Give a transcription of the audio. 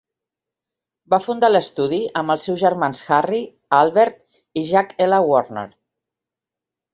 Va fundar l'estudi amb els seus germans Harry, Albert i Jack L. Warner.